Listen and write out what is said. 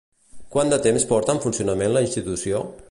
Quant de temps porta en funcionament la institució?